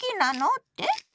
って？